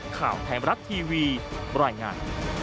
ข่าวแพงรักทีวีบร้อยงาน